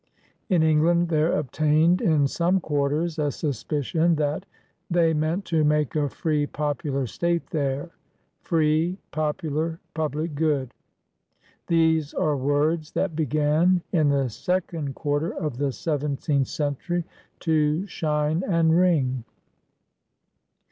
" In England there obtained in some quarters a sus picion that "they meant to make a free, popular State there/* Free — Popular — Public Good! These are words that began, in the second quarter of the seventeenth century, to shine and ring.